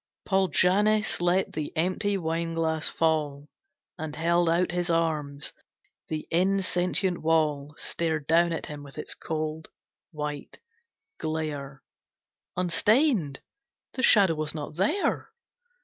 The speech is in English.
Paul Jannes let the empty wine glass fall, And held out his arms. The insentient wall Stared down at him with its cold, white glare Unstained! The Shadow was not there!